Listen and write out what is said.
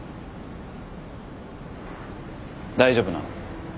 大丈夫なの？